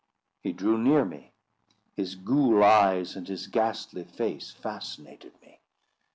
He drew near me. His ghoul eyes and his ghastly face fascinated me.